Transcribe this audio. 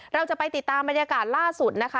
เราจะไปติดตามบรรยากาศล่าสุดนะคะ